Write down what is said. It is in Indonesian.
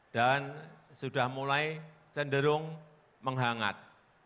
dan sudah mulai cenderung menghangat